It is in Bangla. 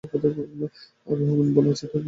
রমেন বলল-আচ্ছা হবে, ঠেল।